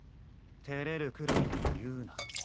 てれるくらいなら言うな。